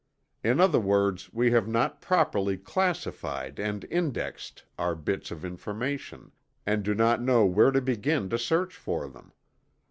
In other words we have not properly classified and indexed our bits of information, and do not know where to begin to search for them.